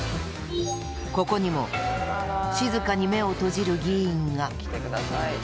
ここにも静かに目を閉じる議員が。